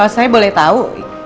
saya boleh tau